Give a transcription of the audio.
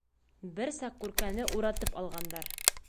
Бер саҡ Күркәне уратып алғандар.